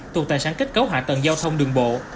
thuộc tài sản kết cấu hạ tầng giao thông đường bộ